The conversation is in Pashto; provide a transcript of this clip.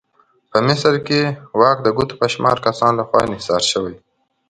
په مصر کې واک د ګوتو په شمار کسانو لخوا انحصار شوی.